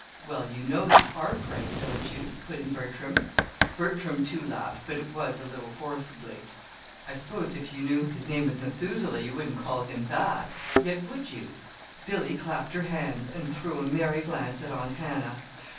"Well, you know the 'Arkwright,' don't you?" put in Bertram. Bertram, too, laughed, but it was a little forcedly. "I suppose if you knew his name was 'Methuselah,' you wouldn't call him that yet, would you?" Billy clapped her hands, and threw a merry glance at Aunt Hannah.